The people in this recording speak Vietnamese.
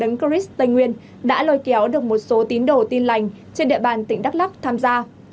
đấng chris tây nguyên đã lôi kéo được một số tín đồ tin lành trên địa bàn tỉnh đắk lắk tham gia